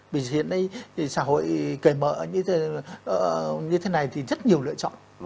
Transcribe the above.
bởi vì hiện nay xã hội kề mở như thế này thì rất nhiều lựa chọn